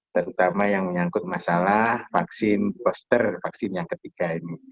terutama yang menyangkut masalah vaksin booster vaksin yang ketiga ini